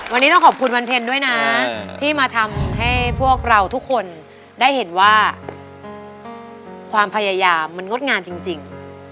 วันนี้ต้องขอบคุณวันเพ็ญด้วยนะที่มาทำให้พวกเราทุกคนได้เห็นว่าความพยายามมันงดงามจริง